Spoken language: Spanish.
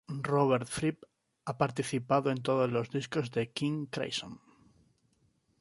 Robert Fripp ha participado en todos los discos de King Crimson